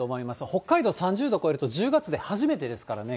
北海道３０度を超えると、１０月で初めてですからね。